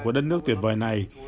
của đất nước tuyệt vời này